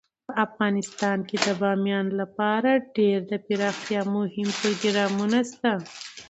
افغانستان کې د بامیان لپاره ډیر دپرمختیا مهم پروګرامونه شته دي.